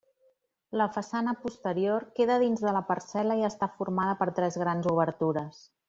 La façana posterior queda dins de la parcel·la i està formada per tres grans obertures.